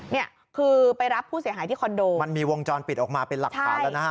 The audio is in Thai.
เนี่ยคือไปรับผู้เสียหายที่คอนโดมันมีวงจรปิดออกมาเป็นหลักฐานแล้วนะฮะ